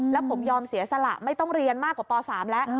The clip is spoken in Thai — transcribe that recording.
แล้วผมยอมเสียสละไม่ต้องเรียนมากกว่าป๓แล้ว